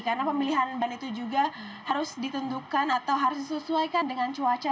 karena pemilihan ban itu juga harus ditentukan atau harus disesuaikan dengan cuaca